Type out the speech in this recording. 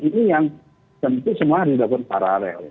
ini yang tentu semua sudah paralel